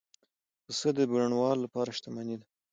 پسه د بڼوال لپاره شتمني ده.